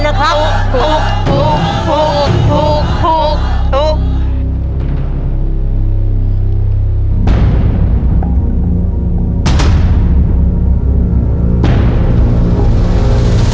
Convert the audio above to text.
ถูกถูกถูกถูก